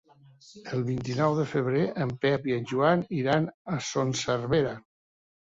El vint-i-nou de febrer en Pep i en Joan iran a Son Servera.